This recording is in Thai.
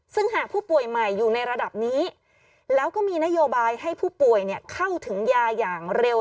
ซึ่งหากผู้ป่วยใหม่อยู่ในระดับนี้แล้วก็มีนโยบายให้ผู้ป่วยเข้าถึงยาอย่างเร็ว